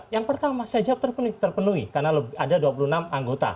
yang pertama saya jawab terpenuhi karena ada dua puluh enam anggota